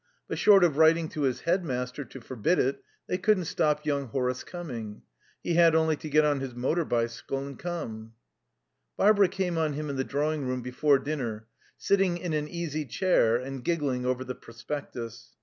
But short of writing to his Head Master to forbid it, they couldn't stop young Horace coming. He had only to get on his motor bicycle and come. Barbara came on him in the drawing room before dinner, sitting in an easy chair and giggling over the prospectus.